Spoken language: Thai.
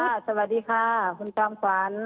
ค่ะสวัสดีค่ะคุณจ้องขวัญ